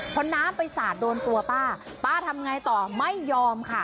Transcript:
พอน้ำไปสาดโดนตัวป้าป้าทำไงต่อไม่ยอมค่ะ